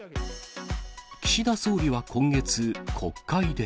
岸田総理は今月、国会で。